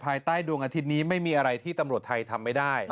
ภายใต้ดวงอาทิตย์นี้ไม่มีอะไรที่ตำรวจไทยทำไม่ได้